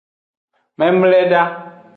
Memleda.